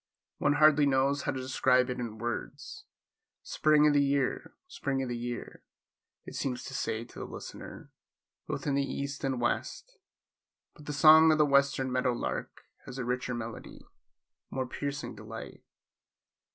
One hardly knows how to describe it in words. Spring o' the year! Spring o' the year! it seems to say to the listener, both in the east and west, but the song of the western meadow lark has a richer melody, a more piercing delight.